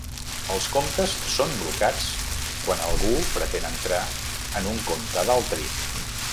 Els comptes són blocats quan algú pretén entrar en un compte d’altri.